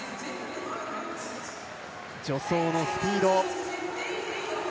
助走のスピード。